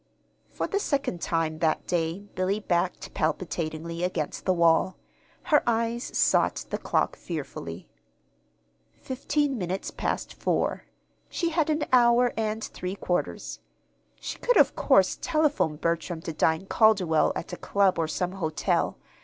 For the second time that day Billy backed palpitatingly against the wall. Her eyes sought the clock fearfully. Fifteen minutes past four. She had an hour and three quarters. She could, of course, telephone Bertram to dine Calderwell at a club or some hotel.